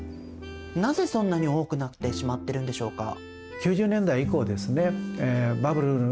なぜそんなに多くなってしまってるんでしょうか？